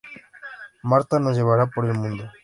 Marta nos lleva por el mundo.